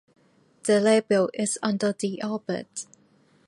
The labial is under the orbit.